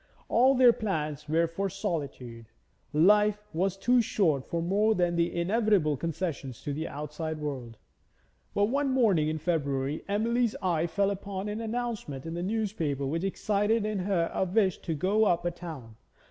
All their plans were for solitude; life was too short for more than the inevitable concessions to the outside world. But one morning in February, Emily's eye fell upon an announcement in the newspaper which excited in her a wish to go up to town.